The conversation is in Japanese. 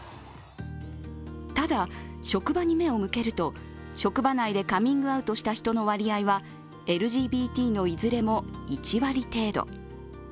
ただ、職場に目を向けると職場内でカミングアウトした人の割合はＬＧＢＴのいずれも１割程度。